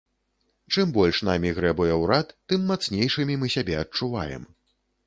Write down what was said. Чым больш намі грэбуе ўрад, тым мацнейшымі мы сябе адчуваем.